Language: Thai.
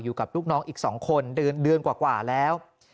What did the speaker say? อยู่กับลูกน้องอีก๒คนเดือนกว่าแล้ว